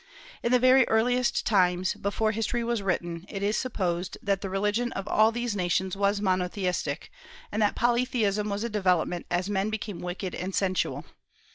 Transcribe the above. In the very earliest times, before history was written, it is supposed that the religion of all these nations was monotheistic, and that polytheism was a development as men became wicked and sensual.